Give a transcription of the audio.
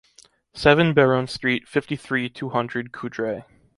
Seven Béron Street, fifty-three, two hundred, Coudray